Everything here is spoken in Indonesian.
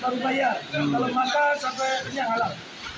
kalau bayar kalau makan sampai penyang alam